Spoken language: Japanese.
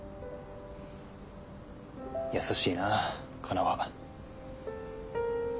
優しいなカナは。